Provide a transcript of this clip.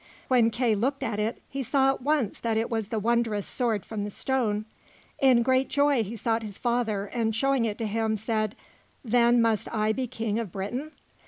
When Kay looked at it, he saw at once that it was the wondrous sword from the stone. In great joy he sought his father, and showing it to him, said: "Then must I be King of Britain."